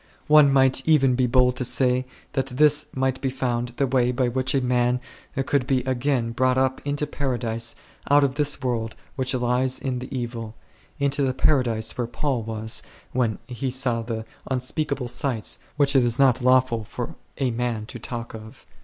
One might even be bold to say that this might be found the way by which a man could be again caught up into Paradise out of this world which lieth in the Evil, into that Paradise where Paul was when he saw the un speakable sights which it is not lawful for a man to talk of4.